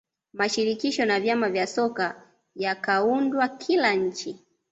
mashirikisho na vyama vya soka yakaundwa kila nchi